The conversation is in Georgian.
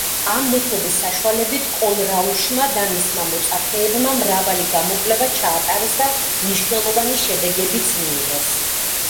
ამ მეთოდის საშუალებით კოლრაუშმა და მისმა მოწაფეებმა მრავალი გამოკვლევა ჩაატარეს და მნიშვნელოვანი შედეგებიც მიიღეს.